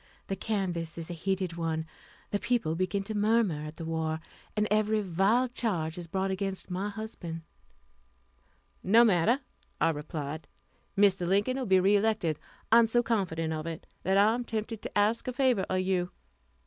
The canvass is a heated one, the people begin to murmur at the war, and every vile charge is brought against my husband." "No matter," I replied, "Mr. Lincoln will be re elected. I am so confident of it, that I am tempted to ask a favor of you."